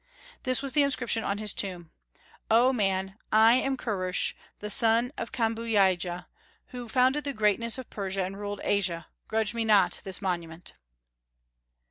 This was the inscription on his tomb: "O man, I am Kurush, the son of Kambujiya, who founded the greatness of Persia and ruled Asia; grudge me not this monument."